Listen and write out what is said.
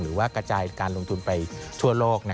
หรือว่ากระจายการลงทุนไปทั่วโลก